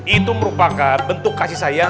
itu merupakan bentuk kasih sayang